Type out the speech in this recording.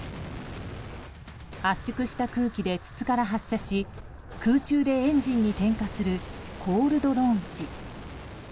圧縮した空気で筒から発射し空中でエンジンに点火するコールドローンチ。